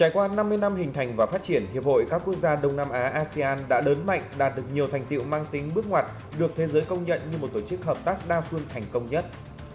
trải qua năm mươi năm hình thành và phát triển hiệp hội các quốc gia đông nam á asean đã lớn mạnh đạt được nhiều thành tiệu mang tính bước ngoặt được thế giới công nhận như một tổ chức hợp tác đa phương thành công nhất